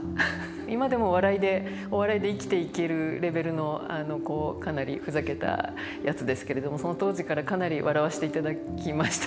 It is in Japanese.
今でも笑いでお笑いで生きていけるレベルのかなりふざけたやつですけれどもその当時からかなり笑わせていただきました。